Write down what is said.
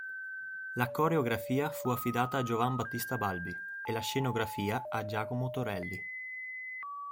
La coreografia fu affidata a Giovan Battista Balbi e la scenografia a Giacomo Torelli.